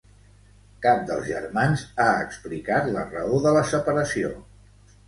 Cap dels germans ha explicat la raó de la separació.